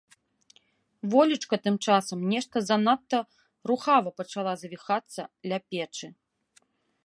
Волечка тым часам нешта занадта рухава пачала завіхацца ля печы.